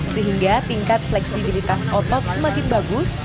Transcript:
sehingga tingkat fleksibilitas otot semakin bagus